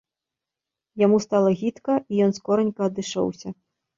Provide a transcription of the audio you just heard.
Яму стала гідка, і ён скоранька адышоўся.